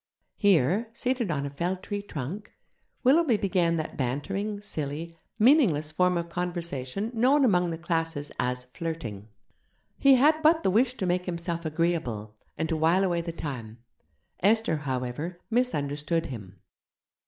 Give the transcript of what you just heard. Here, seated on a felled tree trunk, Willoughby began that bantering, silly, meaningless form of conversation known among the 'classes' as flirting. He had but the wish to make himself agreeable, and to while away the time. Esther, however, misunderstood him.